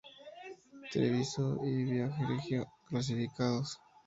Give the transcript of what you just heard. Treviso y Viareggio clasificados.